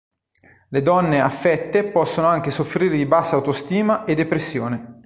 Le donne affette possono anche soffrire di bassa autostima e depressione.